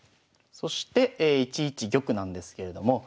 そして１一玉なんですけれども。